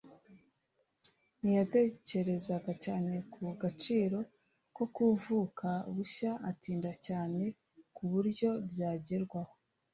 Ntiyatekerezaga cyane ku gaciro ko kuvuka bushya, atinda cyane ku buryo byagerwaho.